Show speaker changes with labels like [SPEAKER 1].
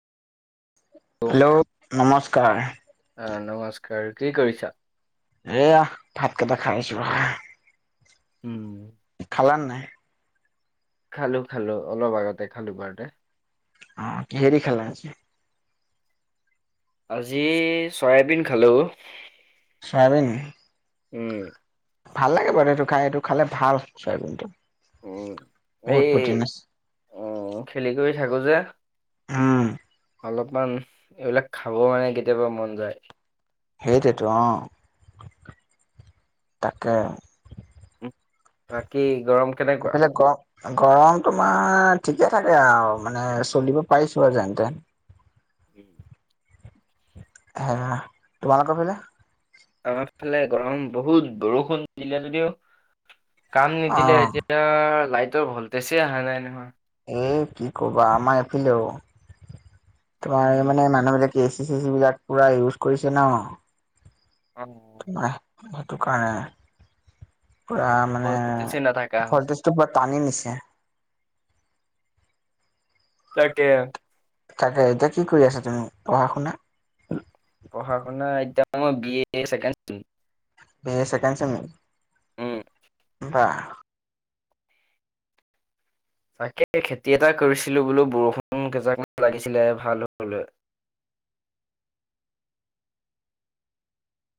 [SPEAKER 1] Hello নমস্কাৰ।
[SPEAKER 2] অ' নমস্কাৰ কি কৰিছা?
[SPEAKER 1] এয়া ভাতকেইটা খাই আছোঁ ৰবা।
[SPEAKER 2] উম।
[SPEAKER 1] খালা নাই?
[SPEAKER 2] খালো-খালো অলপ আগতে খালো বাৰতে।
[SPEAKER 1] অ' কিহে দি খালা আজি?
[SPEAKER 2] আজি চয়াবিন খালোঁ।
[SPEAKER 1] চয়াবিন ভাল লাগে বাৰু এইটো খাই এইটো খালে ভাল চয়াবিনটো।
[SPEAKER 2] উম এই
[SPEAKER 1] বহুত প্ৰটিন আছে
[SPEAKER 2] উম খেলি কৰি থাকো যে-
[SPEAKER 1] উম।
[SPEAKER 2] অলপমান এইবিলাক খাব মানে কেতিয়াবা মন যায়।
[SPEAKER 1] সেইটোতো অ তাকে।
[SPEAKER 2] উম, বাকী গৰম কেনেকুৱা?
[SPEAKER 1] এপেলে কঁ। গৰম তোমাৰ ঠিকে থাকে আও মানে চলিব পাৰিছো আৰু যেনতেন।
[SPEAKER 2] উম।
[SPEAKER 1] হয় অঅঁ তোমালোক ফালে।
[SPEAKER 2] আমা ফালে গৰম বহুত বৰষুণ দিলে যদিও কাম
[SPEAKER 1] অ
[SPEAKER 2] নিদিলে এতিয়া তিয়া লাইটৰ ভল্টেছেই আহা নাই নহয়।
[SPEAKER 1] এ কি ক'বা আমাৰ এফেলেঅ। তোমাৰ এই মানে
[SPEAKER 2] উম,
[SPEAKER 1] মানুহ বিলাক এ চি চে চি বিলাক পুৰা ইউজ কৰিছে ন।
[SPEAKER 2] অঁ।
[SPEAKER 1] আহ ভাতো খোৱা নাই পুৰা মানে
[SPEAKER 2] ভল্টেজে নাথাকা হ'ল
[SPEAKER 1] ভলটেজ টো পুৱা টানি নিছে।
[SPEAKER 2] তাকে আ।
[SPEAKER 1] তাকে এতিয়া কি কৰি আছা তুমি পঢ়া শুনা?
[SPEAKER 2] পঢ়া শুনা এতিয়া মই B A second sem.
[SPEAKER 1] B A second sem নি।
[SPEAKER 2] উম।
[SPEAKER 1] বাহ!
[SPEAKER 2] তাকে খেতি এটা কৰিছিলো বোলো বৰষুণ কেইজাকমান লাগিছিলে আৰু ভাল হবলৈ